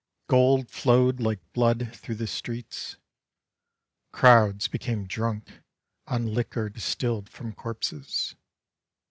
Gold flowed like blood Through the streets ; Crowds became drunk On liquor distilled from corpses.